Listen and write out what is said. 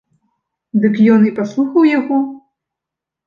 Дык ён і паслухаў яго.